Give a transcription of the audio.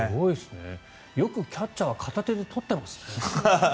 よくキャッチャーは片手でとってますね。